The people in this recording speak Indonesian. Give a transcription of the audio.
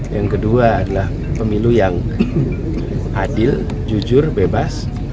yang kedua adalah pemilu yang adil jujur bebas